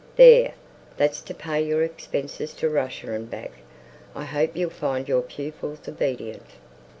"There! that's to pay your expenses to Russia and back. I hope you'll find your pupils obedient."